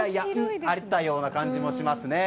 あったような感じもしますね。